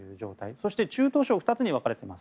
そして、中等症は２つに分かれています。